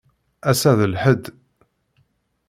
Assa d lḥedd.